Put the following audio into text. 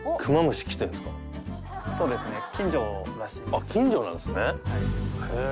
あっ近所なんですね。